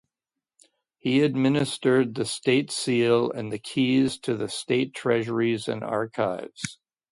He administered the state seal and the keys to the state treasuries and archives.